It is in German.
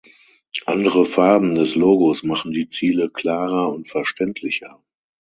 Andere Farben des Logos machen die Ziele klarer und verständlicher.